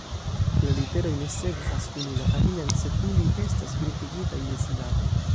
La literoj ne sekvas unu la alian, sed ili estas grupigitaj je silaboj.